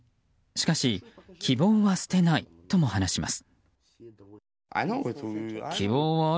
しかし希望は捨てないとも話します。